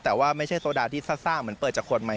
แต่ว่าไม่ใช่โซดาที่ซ่าเหมือนเปิดจากคนมา